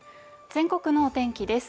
全国のお天気です。